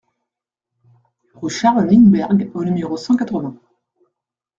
Rue Charles Lindberg au numéro cent quatre-vingts